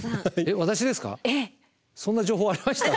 そんな情報ありました？